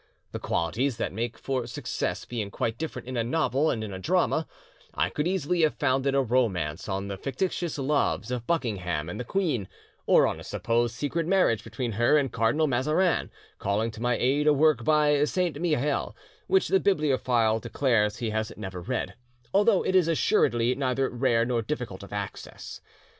The qualities that make for success being quite different in a novel and in a drama, I could easily have founded a romance on the fictitious loves of Buckingham and the queen, or on a supposed secret marriage between her and Cardinal Mazarin, calling to my aid a work by Saint Mihiel which the bibliophile declares he has never read, although it is assuredly neither rare nor difficult of access.